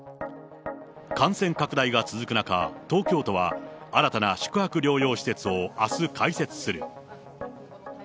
感染拡大が続く中、東京都は、新たな宿泊療養施設をあす開設する。